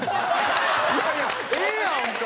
いやいやええやんか！